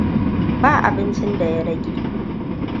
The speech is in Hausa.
Ba abincin da ya rage.